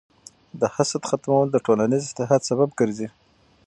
د حسد ختمول د ټولنیز اتحاد سبب ګرځي.